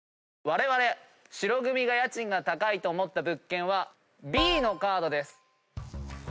われわれ白組が家賃が高いと思った物件はＢのカードです。